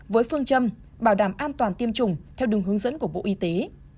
với phương châm bảo đảm an toàn tiêm chủng theo đúng hướng dẫn của bộ y tế